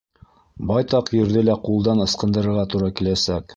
Байтаҡ ерҙе лә ҡулдан ысҡындырырға тура киләсәк.